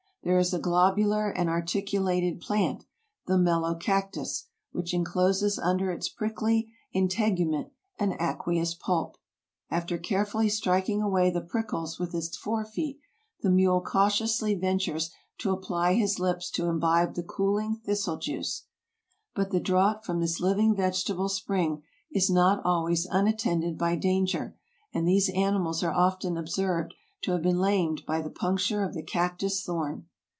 There is a globular and artic ulated plant, the Melocactus, which encloses under its prickly integument an aqueous pulp. After carefully strik ing away the prickles with its forefeet, the mule cautiously ventures to apply his lips to imbibe the cooling thistle juice. But the draught from this living vegetable spring is not always unattended by danger, and these animals are often observed to have been lamed by the puncture of the cactus thorn.